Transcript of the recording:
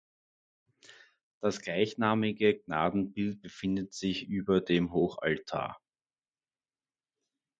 Das gleichnamige Gnadenbild befindet sich über dem Hochaltar.